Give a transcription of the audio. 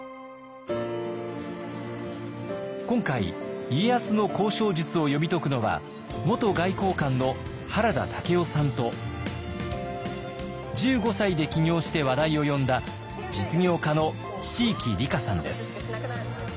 今回家康の交渉術を読み解くのは元外交官の原田武夫さんと１５歳で起業して話題を呼んだ実業家の椎木里佳さんです。